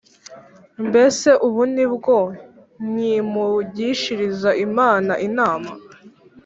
Mbese ubu ni bwo nkimugishiriza Imana inama?